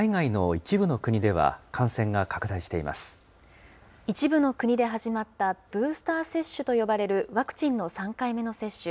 一部の国で始まったブースター接種と呼ばれるワクチンの３回目の接種。